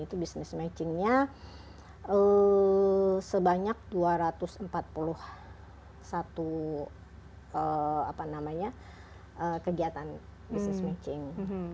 itu business matchingnya sebanyak dua ratus empat puluh satu kegiatan business matching